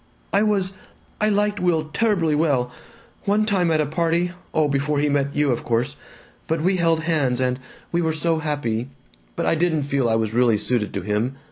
"I was I liked Will terribly well. One time at a party oh, before he met you, of course but we held hands, and we were so happy. But I didn't feel I was really suited to him.